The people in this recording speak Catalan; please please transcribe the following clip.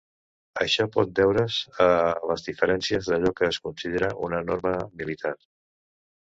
Això pot deure's a les diferències d'allò que es considera una "norma militar".